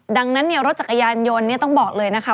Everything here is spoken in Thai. ดังนั้นเนี่ยรถจักรยานยนต์ต้องบอกเลยนะคะ